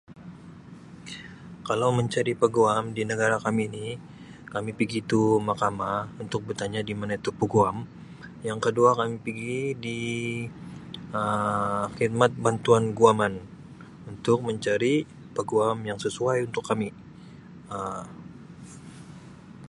Kalau mencari peguam di negara kami ni kami pigi tu mahkamah untuk bertanya di mana tu peguam yang kedua kami pigi di Um khidmat bantuan guaman untuk mencari peguam yang sesuai untuk kami Um.